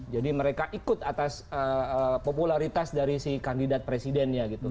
jadi mereka ikut atas popularitas dari si kandidat presidennya